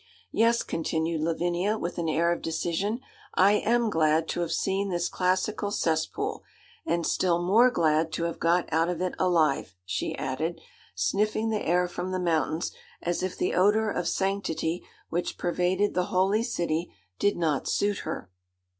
Yes,' continued Lavinia, with an air of decision, 'I am glad to have seen this classical cesspool, and still more glad to have got out of it alive,' she added, sniffing the air from the mountains, as if the odour of sanctity which pervaded the holy city did not suit her.